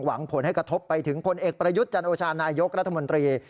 หวังผลให้กระทบไปถึงพลเอกประยุทธ์จันโอชานายกรัฐมนตรี